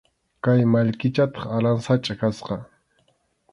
Kay mallkichataq aransachʼa kasqa.